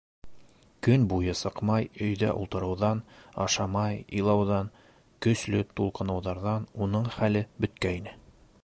Көн буйы сыҡмай өйҙә ултырыуҙан, ашамай илауҙан, көслө тулҡыныуҙарҙан уның хәле бөткәйне.